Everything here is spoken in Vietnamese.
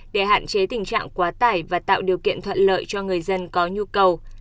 để hạn chế tình trạng quá tải và tạo điều kiện thuận lợi cho người dân có nhu cầu